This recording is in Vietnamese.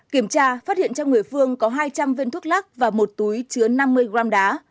kiểm tra phát hiện trong người phương có hai trăm linh viên thuốc lắc và một túi chứa năm mươi gram đá